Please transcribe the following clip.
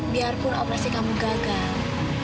biarpun operasi kamu gagal